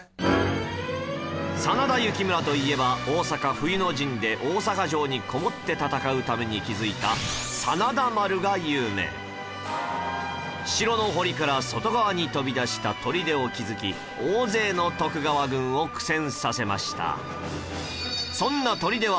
真田幸村といえば大坂冬の陣で大坂城にこもって戦うために築いた真田丸が有名城の堀から外側に飛び出した砦を築き大勢の徳川軍を苦戦させました